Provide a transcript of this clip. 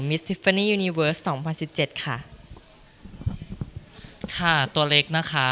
ซิฟฟานียูนีเวิร์สสองพันสิบเจ็ดค่ะค่ะตัวเล็กนะคะ